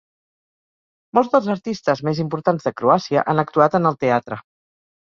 Molts dels artistes més importants de Croàcia han actuat en el teatre.